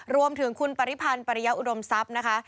รวมถึงคุณปริพันธ์ปริยะอุดมทรัพย์นะคะ